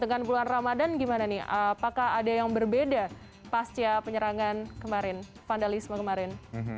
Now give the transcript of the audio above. dengan bulan ramadhan gimana nih apakah ada yang berbeda pasca penyerangan kemarin vandalisme kemarin